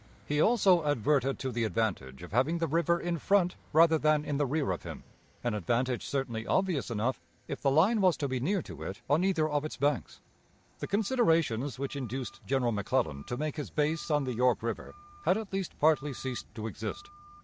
He also adverted to the advantage of having the river in front rather than in the rear of him an advantage certainly obvious enough, if the line was to be near to it on either of its banks. The considerations which induced General McClellan to make his base on the York River had at least partly ceased to exist.